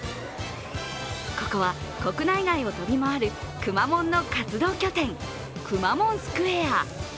ここは国内外を飛び回るくまモンの活動拠点、くまモンスクエア。